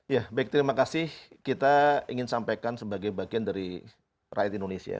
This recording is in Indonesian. ya baik terima kasih kita ingin sampaikan sebagai bagian dari rakyat indonesia